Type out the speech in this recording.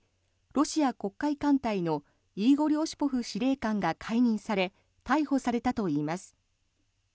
ロシア黒海艦隊のイーゴリ・オシポフ司令官が解任され逮捕されたといいます。